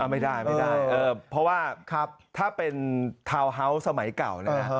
ไม่ได้เพราะว่าถ้าเป็นทาวน์เฮาส์สมัยเก่านะ